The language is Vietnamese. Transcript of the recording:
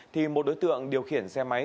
thì một đối tượng điều khiển xe máy